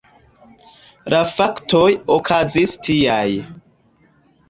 La faktoj okazis tiaj.